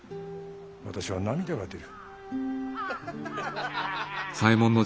私は涙が出る。